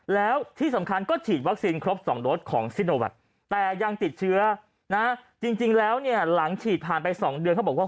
แล้วที่สำคัญก็ฉีดวัคซีนครบ๒โดสของซิโนแวคแต่ยังติดเชื้อนะจริงแล้วเนี่ยหลังฉีดผ่านไป๒เดือนเขาบอกว่า